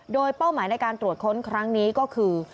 โดยเป้าหมายในการตรวจค้นครั้งนี้ก็คือ